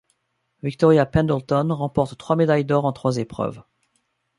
Victoria Pendleton remporte trois médailles d'or en trois épreuves.